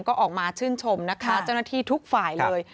ก็ออกมาชื่นชมนะคะเจ้าหน้าที่ทุกฝ่ายเลย